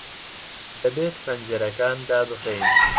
دەبێت پەنجەرەکان دابخەین.